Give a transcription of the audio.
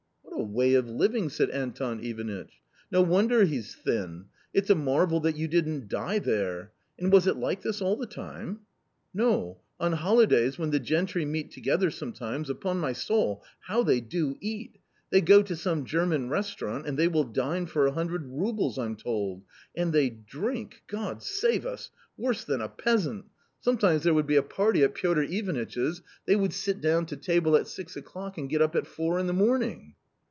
" What a way of living !" said Anton Ivanitch. " No wonder he's thin ! it's a marvel that you didn't die there ! And was it like this all the time ?" "No; on holidays when the gentry meet together sometimes, upon my soul, how they do eat ! They go to some German restaurant and they will dine for a hundred roubles I'm told. And they drink — God save us !— worse than a peasant ! Sometimes there would be a party A COMMON STORY 251 at Piotr Ivanitch's; they would sit down to table at six o'clock, and get up at four in the morning."